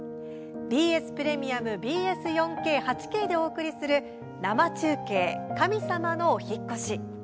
ＢＳプレミアムＢＳ４Ｋ、８Ｋでお送りする「生中継神さまのお引っ越し」。